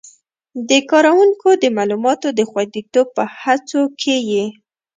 د کاروونکو د معلوماتو د خوندیتوب په هڅو کې یې